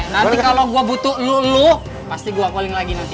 nanti kalau gua butuh lu pasti gua calling lagi nanti